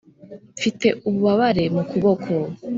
mfite ububabare mu kuboko.